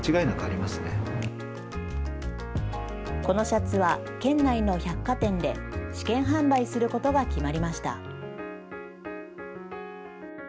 このシャツは、県内の百貨店で試験販売することが決まりました。